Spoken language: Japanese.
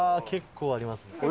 結構ありますね。